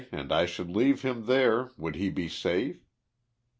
and I should leave him there would he be safe